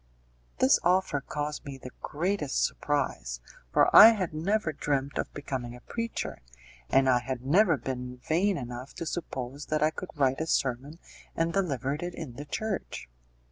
This offer caused me the greatest surprise, for I had never dreamt of becoming a preacher, and I had never been vain enough to suppose that I could write a sermon and deliver it in the church.